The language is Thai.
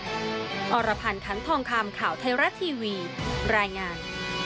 อรพันธ์คันทองคำข่าวไทยรัฐทีวีรายงาน